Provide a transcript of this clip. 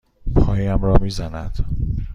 پایم را می زند.